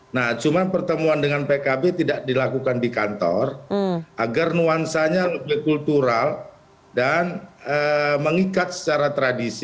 nah cuma pertemuan dengan pkb tidak dilakukan di kantor agar nuansanya lebih kultural dan mengikat secara tradisi